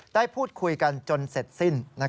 ได้พูดคุยกันจนเสร็จสิ้น